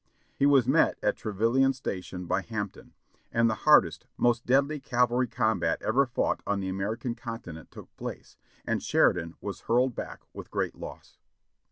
He was met at Trevillian Station by Hampton, and the hardest, most deadly cavalry combat ever fought on the American continent took place, and Sheridan was hurled back with great loss.